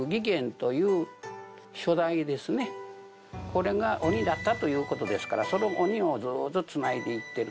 これが鬼だったという事ですからその鬼をずっとつないでいってる。